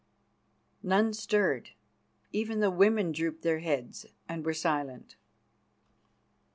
None stirred; even the women drooped their heads and were silent.